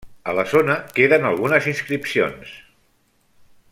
A la zona queden algunes inscripcions.